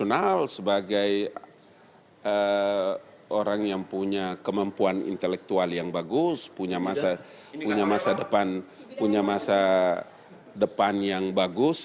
orang yang punya kemampuan intelektual yang bagus punya masa depan yang bagus